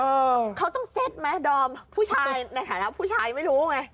เออเขาต้องเซ็ตไหมดอมผู้ชายในฐานะผู้ชายไม่รู้ไง